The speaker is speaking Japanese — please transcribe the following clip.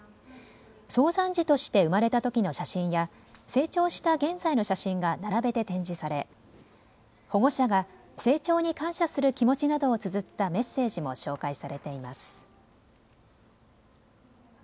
早産児として産まれたときの写真や成長した現在の写真が並べて展示され保護者が成長に感謝する気持ちなどをつづったメッセージも紹介されています。